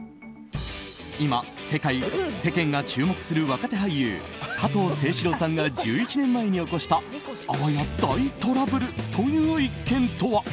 今、世間が注目する若手俳優加藤清史郎さんが１１年前に起こしたあわや大トラブルという１件とは。